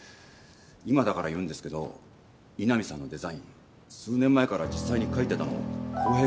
今だから言うんですけど井波さんのデザイン数年前から実際に描いてたの浩平くんなんです。